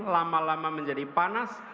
lama lama menjadi panas